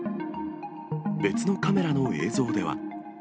別のカメラの映像では。